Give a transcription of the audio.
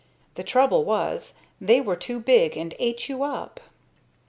The trouble was, they were too big and ate you up.